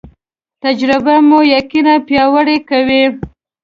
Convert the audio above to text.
تجربه مو یقین پیاوړی کوي